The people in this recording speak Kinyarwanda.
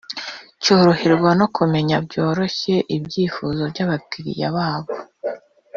cyoroherwa no kumenya byoroshye ibyifuzo by’abakiriya babo